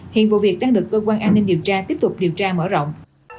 hiện vụ việc đang được cơ quan an ninh điều tra tiếp tục điều tra mở rộng